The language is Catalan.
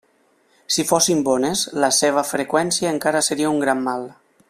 Si fossin bones, la seva freqüència encara seria un gran mal.